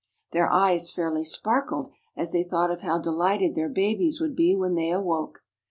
Their eyes fairly sparkled, as they thought of how delighted their babies would be when they awoke.